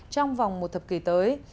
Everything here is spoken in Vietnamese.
trong vòng một thập kỷ tới